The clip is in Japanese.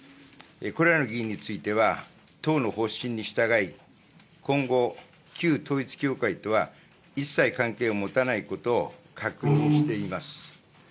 これらの議員については、党の方針に従い、今後、旧統一教会とは一切関係を持たないことを確認しています。